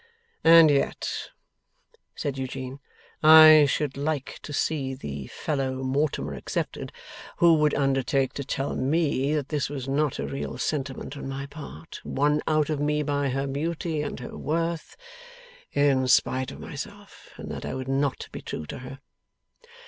'And yet,' said Eugene, 'I should like to see the fellow (Mortimer excepted) who would undertake to tell me that this was not a real sentiment on my part, won out of me by her beauty and her worth, in spite of myself, and that I would not be true to her.